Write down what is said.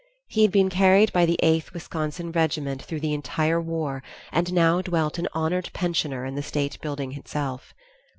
He had been carried by the Eighth Wisconsin Regiment through the entire war, and now dwelt an honored pensioner in the state building itself.